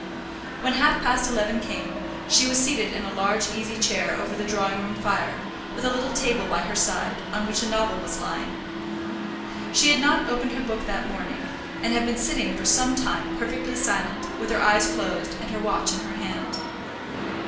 When half past eleven came, she was seated in a large easy chair over the drawing room fire, with a little table by her side, on which a novel was lying. She had not opened her book that morning, and had been sitting for some time perfectly silent, with her eyes closed, and her watch in her hand.